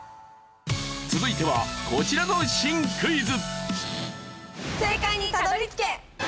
続いてはこちらの新クイズ。